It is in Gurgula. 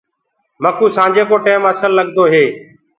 مڪُو سآنجي ڪو ٽيم اسل لگدو هي۔